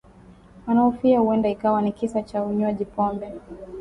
wanahofia huenda ikawa ni kisa cha unywaji pombe